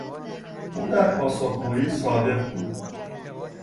او در پاسخگویی صادق بود.